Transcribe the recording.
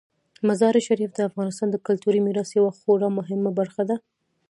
مزارشریف د افغانستان د کلتوري میراث یوه خورا مهمه برخه ده.